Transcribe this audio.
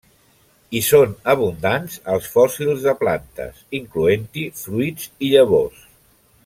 Hi són abundants els fòssils de plantes, incloent-hi fruits i llavors.